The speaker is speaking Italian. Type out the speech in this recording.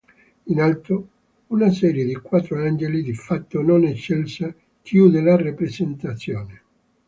In alto una serie di quattro angeli, di fattura non eccelsa, chiude la rappresentazione.